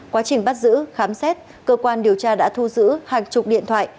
quá trình bắt giữ khám xét cơ quan điều tra đã thu giữ hàng chục điện thoại